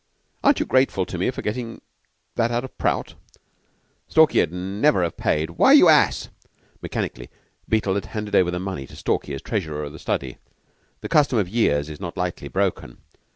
Aren't you grateful to me for getting that out of Prout? Stalky'd never have paid... Why, you ass!" Mechanically Beetle had handed over the money to Stalky as treasurer of the study. The custom of years is not lightly broken.